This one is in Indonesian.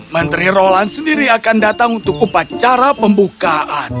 menteri roland sendiri akan datang untuk upacara pembukaan